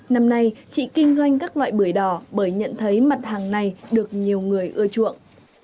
năm nay chị kinh doanh các loại bưởi đỏ bởi nhận thấy mặt hàng này được nhiều người ưa chuộng